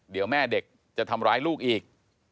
เดี๋ยวแม่เด็กจะทำร้ายลูกอีก